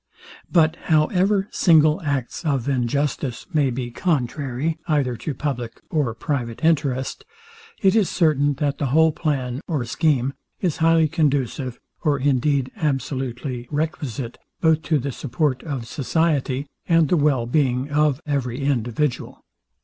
But however single acts of justice may be contrary, either to public or private interest, it is certain, that the whole plan or scheme is highly conducive, or indeed absolutely requisite, both to the support of society, and the well being of every individual.